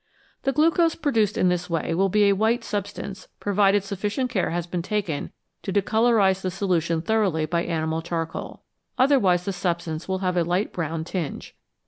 The glucose produced in this way will be a white sub stance, provided sufficient care has been taken to de colorise the solution thoroughly by animal charcoal ; otherwise the substance will have a light brown tinge.